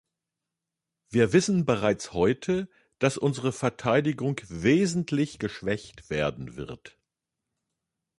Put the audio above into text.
Wir wissen bereits heute, dass unsere Verteidigung wesentlich geschwächt werden wird.